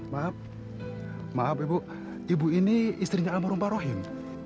maaf maaf ibu ibu ini istrinya almarhum barohim